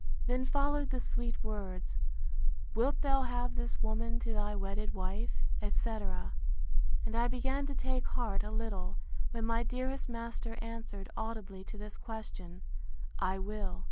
Then followed the sweet words, Wilt thou have this woman to thy wedded wife? etc. and I began to take heart a little, when my dearest master answered, audibly, to this question, I will.